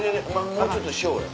もうちょっとしようや。